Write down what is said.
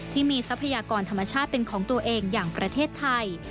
ทรัพยากรธรรมชาติเป็นของตัวเองอย่างประเทศไทย